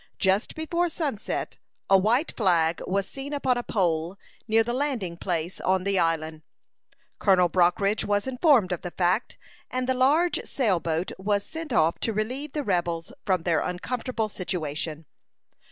Just before sunset, a white flag was seen upon a pole, near the landing place on the island. Colonel Brockridge was informed of the fact, and the large sail boat was sent off to relieve the rebels from their uncomfortable situation.